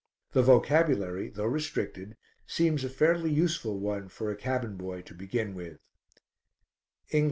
The vocabulary, though restricted, seems a fairly useful one for a cabin boy to begin with: ENGL.